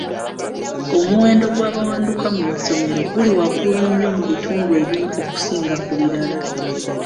Omuwendo gw'abawanduka mu masomero guli waggulu nnyo mu bitundu ebimu okusinga ku birala.